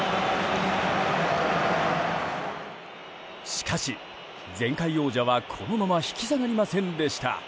しかし、前回王者はこのまま引き下がりませんでした。